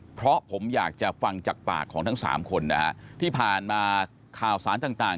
เพราะผมอยากจะฟังจากปากของทั้งสามคนนะฮะที่ผ่านมาข่าวสารต่าง